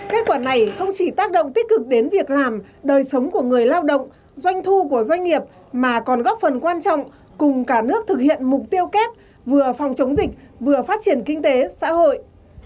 kết quả này không chỉ tác động tích cực đến việc làm đời sống của người lao động doanh thu của doanh nghiệp mà còn góp phần quan trọng cùng cả nước thực hiện mục tiêu kép vừa phòng chống dịch vừa phát triển kinh tế xã hội